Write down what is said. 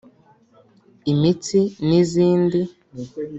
imitsi n’izindi